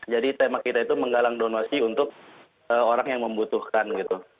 jadi tema kita itu menggalang donasi untuk orang yang membutuhkan gitu